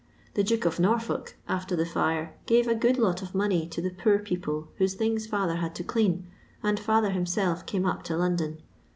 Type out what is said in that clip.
The Duke of Norfolk, after the fire, gave a good lot of money to the poor people whose things father had to dean, and fiither him self came up to London.